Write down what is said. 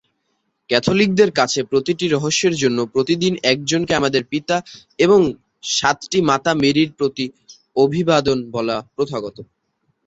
ক্যাথলিকদের কাছে প্রতিটি রহস্যের জন্য প্রতিদিন একজনকে আমাদের পিতা এবং সাতটি মাতা মেরির প্রতি অভিবাদন বলা প্রথাগত।